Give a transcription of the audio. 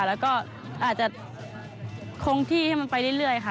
แล้วก็อาจจะคงที่ให้มันไปเรื่อยค่ะ